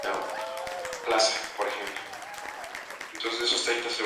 Abreu volvió rápidamente para incorporarse al combate.